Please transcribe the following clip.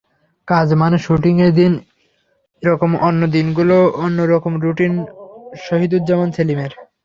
কাজ, মানে শুটিংয়ের দিন একরকম, অন্য দিনগুলো অন্য রকম রুটিন শহীদুজ্জামান সেলিমের।